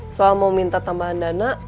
soal mau minta tambahan dana